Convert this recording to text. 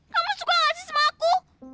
kamu suka gak sih sama aku